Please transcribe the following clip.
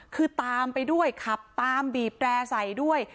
คือตามไปด้วยขับตามบีบแร่ใส่ด้วย